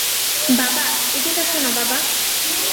বাবা, এদিকে আসো না বাবা।